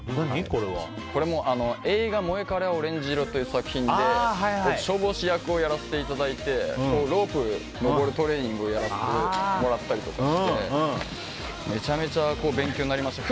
これは映画「モエカレはオレンジ色」という作品で消防士役をやらせていただいてロープで登るトレーニングをやらせてもらったりしてめちゃめちゃ勉強になりました。